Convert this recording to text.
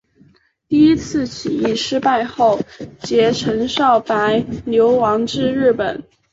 第一次起义失败后偕陈少白流亡至日本。